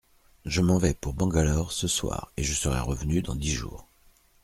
Je m’en vais pour Bangalore ce soir et je serai revenu dans dix jours.